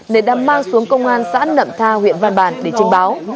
nên đã mang xuống công an xã nậm tha huyện văn bàn để trình báo